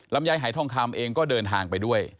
ลำไยหายทองคำเองก็เดินทางไปด้วย